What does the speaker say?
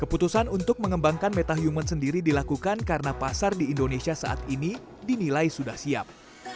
keputusan untuk mengembangkan metahuman sendiri dilakukan karena pasar di indonesia saat ini dinilai sudah siap